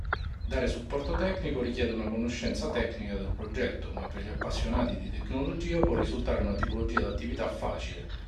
Dare supporto tecnico richiede una conoscenza tecnica del progetto ma per gli appassionati di tecnologia può risultare una tipologia di attività facile.